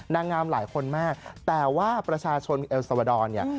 นางงามหลายคนมากแต่ว่าประชาชนเอลสวดรเนี่ย